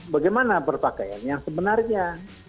bagaimana berpakaian yang sebenarnya